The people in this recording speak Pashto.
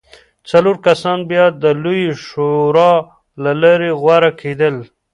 څلور کسان بیا د لویې شورا له لارې غوره کېدل